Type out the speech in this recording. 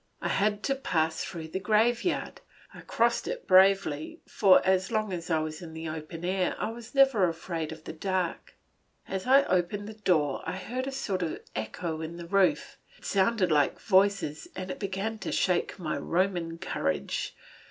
I had to pass through the graveyard; I crossed it bravely, for as long as I was in the open air I was never afraid of the dark. As I opened the door I heard a sort of echo in the roof; it sounded like voices and it began to shake my Roman courage.